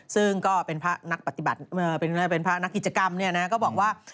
ซึ่งก็เป็นพระนักกิจกรรมก็บอกว่า